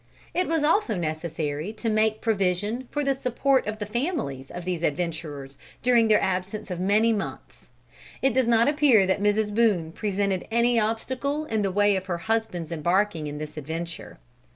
It was also necessary to make provision for the support of the families of these adventurers during their absence of many months. It does not appear that Mrs. Boone presented any obstacle in the way of her husband's embarking in this adventure.